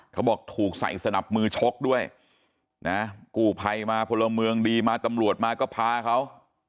เขาบอกถูกใส่สนับมือชกด้วยนะกู้ภัยมาพลเมืองดีมาตำรวจมาก็พาเขา